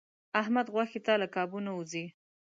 احمد غوښې ته له کابو نه و ځي.